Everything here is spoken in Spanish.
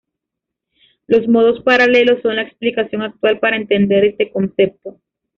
Los modos paralelos son la explicación actual para entender este concepto.